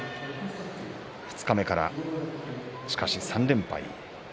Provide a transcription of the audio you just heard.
二日目からしかし３連敗。